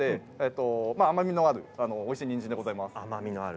甘みのあるおいしいにんじんでございます。